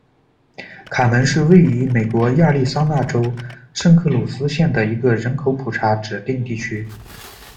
卡门是位于美国亚利桑那州圣克鲁斯县的一个人口普查指定地区。